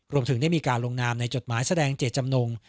รวมถึงได้มีการลงนามในจดหมายแสดงเจตจำนง